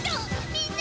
みんな！